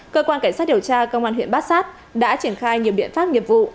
cơ quan cảnh sát điều tra công an huyện bát sát đã triển khai nhiều biện pháp nghiệp vụ